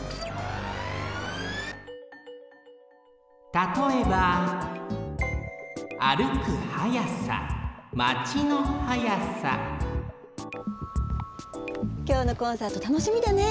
たとえばきょうのコンサートたのしみだね。